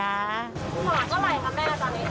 ขวัทก็ไรคะแม่ก็ตอนนี้